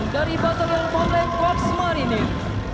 dari batalion frontline korps marinir